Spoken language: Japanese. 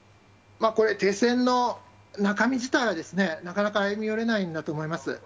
これ、停戦の中身自体は、なかなか歩み寄れないんだと思います。